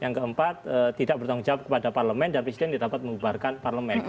yang keempat tidak bertanggung jawab kepada parlement dan presiden dapat mengubahkan parlement